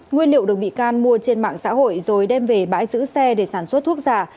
nguyên liệu được bị can mua trên mạng xã hội rồi đem về bãi giữ xe để sản xuất thuốc giả